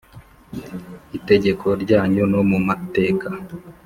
itegeko ryanyu no mu mateka